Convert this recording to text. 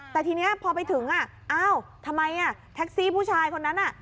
แต่ทีนี้พอไปถึงอ้าวทำไมแท็กซี่ผู้ชายคนนั้น